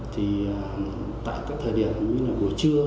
thì tại các thời điểm như là buổi trưa